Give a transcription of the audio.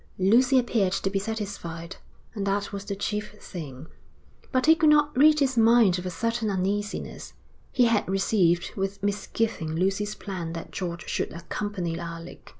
Lucy appeared to be satisfied, and that was the chief thing. But he could not rid his mind of a certain uneasiness. He had received with misgiving Lucy's plan that George should accompany Alec.